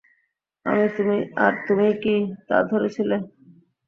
আর তুমি কি তা ধরেছিলে?